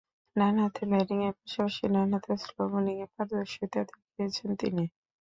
ডানহাতে ব্যাটিংয়ের পাশাপাশি ডানহাতে স্লো বোলিংয়ে পারদর্শীতা দেখিয়েছেন তিনি।